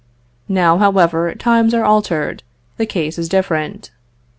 Now, however, times are altered; the case is different.